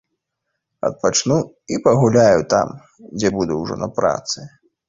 Адпачну і пагуляю там, дзе буду ўжо на працы.